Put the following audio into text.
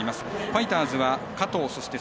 ファイターズは加藤。